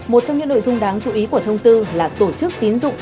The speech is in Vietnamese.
một trong những nội dung đáng chú ý của thông tư là tổ chức tín dụng